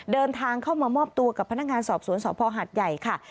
เดินทางเข้ามามอบตัวกับพนักงานสอบสวนสภหัดใหญ่ค่ะ